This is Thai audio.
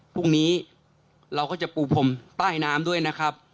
พรุ่งนี้เราก็จะปูพรมใต้น้ำด้วยนะครับ